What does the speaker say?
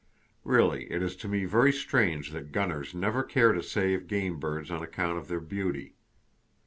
Really, it is to me very strange that gunners never care to save game birds on account of their beauty.